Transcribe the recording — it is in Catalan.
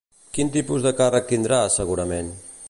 Quin tipus de càrrec tindrà, segurament?